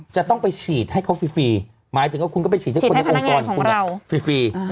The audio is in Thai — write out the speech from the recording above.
จะต้องไปฉีดให้เขาฟรีหมายถึงว่าคุณก็ไปฉีดให้คนในองค์กรของคุณฟรี